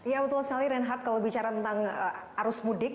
ya betul sekali reinhardt kalau bicara tentang arus mudik